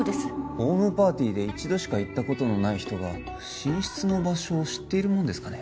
ホームパーティーで一度しか行ったことのない人が寝室の場所を知っているもんですかね